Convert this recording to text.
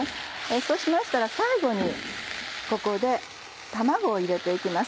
そうしましたら最後にここで卵を入れていきます。